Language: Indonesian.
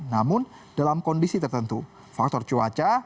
namun dalam kondisi tertentu faktor cuaca